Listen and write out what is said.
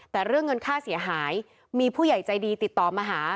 แต่เรื่องเงินค่าเสียหายมีผู้ใหญ่ใจดีติดต่อมาหา